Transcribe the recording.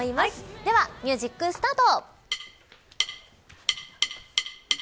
では、ミュージックスタート。